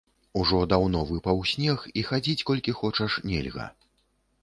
Ужо даўно выпаў снег, і хадзіць колькі хочаш, нельга.